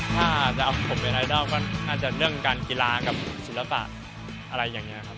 ถ้าจะเอาผมเป็นไอดอลก็น่าจะเรื่องการกีฬากับศิลปะอะไรอย่างนี้ครับ